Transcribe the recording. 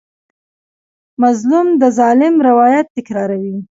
مظلوم د ظالم روایت تکراروي.